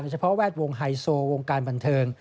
เฉพาะแวดวงไฮโซวงการบันเทิง